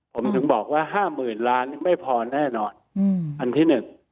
ผมถึงบอกว่าห้าหมื่นล้านไม่พอแน่นอนอันที่หนึ่ง